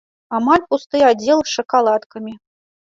Амаль пусты аддзел з шакаладкамі.